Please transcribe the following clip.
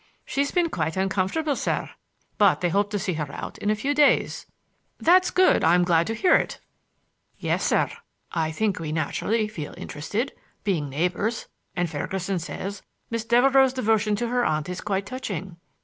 "She's been quite uncomfortable, sir; but they hope to see her out in a few days!" "That's good; I'm glad to hear it." "Yes, sir. I think we naturally feel interested, being neighbors. And Ferguson says that Miss Devereux's devotion to her aunt is quite touching."